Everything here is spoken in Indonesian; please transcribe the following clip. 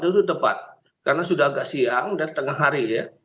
itu tepat karena sudah agak siang dan tengah hari ya